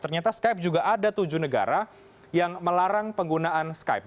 ternyata skype juga ada tujuh negara yang melarang penggunaan skype